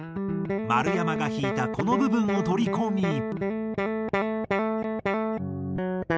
丸山が弾いたこの部分を取り込み。